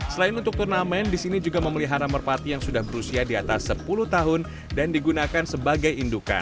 selain untuk turnamen disini juga memelihara merpati yang sudah berusia di atas sepuluh tahun dan digunakan sebagai indukan